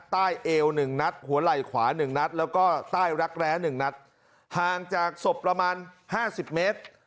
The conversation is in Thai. ใต้เอว๑นัทหัวไหล่ขวา๑นัทแล้วก็ใต้รักแร้๑นัทห่างจากศพประมาณ๕๐เมตร